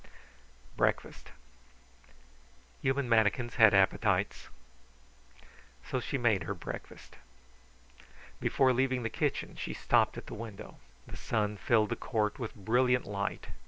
Breakfast. Human manikins had appetites. So she made her breakfast. Before leaving the kitchen she stopped at the window. The sun filled the court with brilliant light.